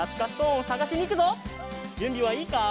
じゅんびはいいか？